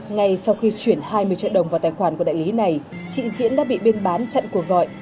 ngay sau khi chuyển hai mươi triệu đồng vào tài khoản của đại lý này chị diễn đã bị bên bán chặn cuộc gọi